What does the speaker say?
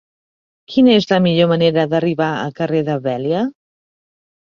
Quina és la millor manera d'arribar al carrer de Vèlia?